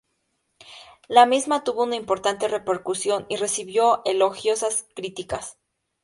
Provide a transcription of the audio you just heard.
La misma tuvo una importante repercusión y recibió elogiosas críticas.